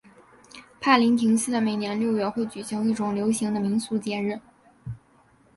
帕林廷斯的每年六月会举行一种流行的民俗节日。